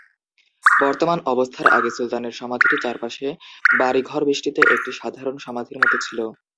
বর্তমান অবস্থার আগে সুলতানের সমাধিটি চারপাশে বাড়ি ঘর বেষ্টিত একটি সাধারণ সমাধির মত ছিল।